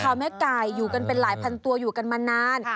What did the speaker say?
ค้างคาวแม่กายอยู่กันเป็นหลายพันตัวอยู่กันมานาน